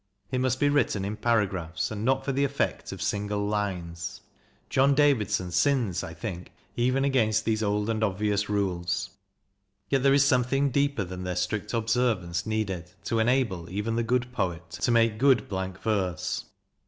It must be written in paragraphs, and not for the effect of single lines. John Davidson sins, I think, even against these old and obvious rules: yet there is something deeper than their strict observance needed to enable even the good poet to make good blank verse.